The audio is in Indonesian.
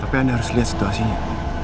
tapi anda harus lihat situasinya